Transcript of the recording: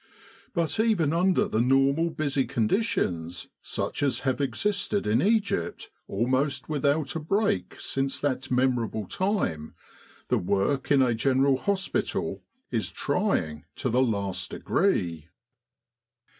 But even under the normal busy conditions, such as have existed in Egypt almost without a break since that memorable time, the work in a General Hospital is trying to the last degree.